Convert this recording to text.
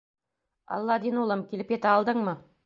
— Аладдин улым, килеп етә алдыңмы?